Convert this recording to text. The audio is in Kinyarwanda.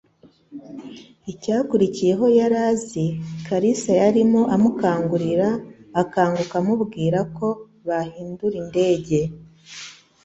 Icyakurikiyeho yari azi, Kalisa yarimo amukangura akanguka amubwira ko bahindura indege.